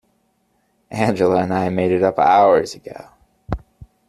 Angela and I made it up hours ago.